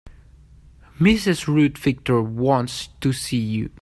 Mrs. Ruth Victor wants to see you.